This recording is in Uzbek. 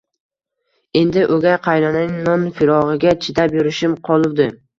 Endi o`gay qaynonaning noz-firog`iga chidab yurishim qoluvdi